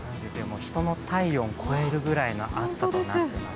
人の体温超えるくらいの暑さとなっています。